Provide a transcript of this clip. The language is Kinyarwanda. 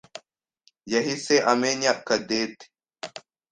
yahise amenya Cadette.